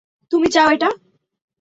তুমি চাও এটা?